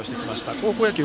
高校野球